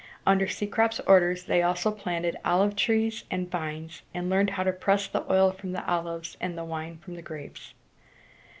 Under Cecrops' orders they also planted olive trees and vines, and learned how to press the oil from the olives and the wine from the grapes.